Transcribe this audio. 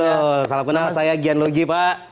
betul salam kenal saya gian lugi pak